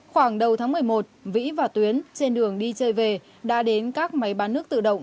khoảng đầu tháng một mươi một vĩ và tuyến trên đường đi chơi về đã đến các máy bán nước tự động